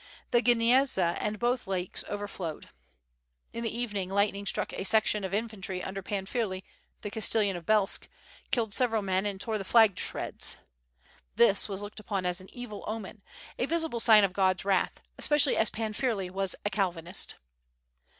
The Gniezna and both lakes overflowed. In the evening light ning struck a section of infantry under Pan Firley the Cas tellan of Belsk, killed several men and tore the flag to shreds. This was looked upon as an evil omen — a visible sign of God's wrath, especially as Pan Firley was a Calvinist.